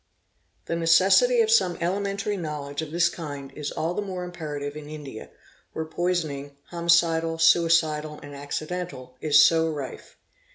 | The necessity of some elementary knowledge of this kind is all the more imperative in India, where poisoning, homicidal, suicidal, and acci dental, is so rife.